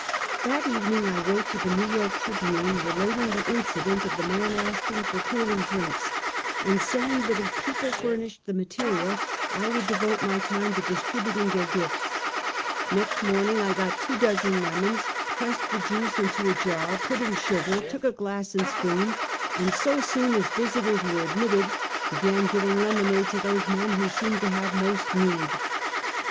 That evening I wrote to the Kew York Tribune, relating the incident of the man asking for cooling drinks, and saying that if people furnished the mate rial, I would devote my time to distributing their gifts, ISText morning I got two dozen lemons, pressed the juice into a jar, put in sugar, took a glass and spoon and, so soon as visitors were admitted, began giving lemonade to those men who seemed to have most need.